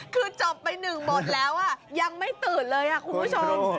คือจบไปหนึ่งหมดแล้วยังไม่ตื่นเลยคุณผู้ชม